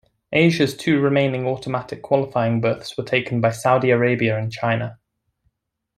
Asia's two remaining automatic qualifying berths were taken by Saudi Arabia and China.